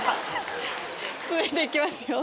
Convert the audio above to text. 続いて行きますよ。